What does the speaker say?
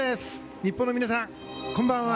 日本の皆さん、こんばんは。